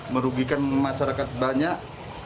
merugikan masyarakat banyak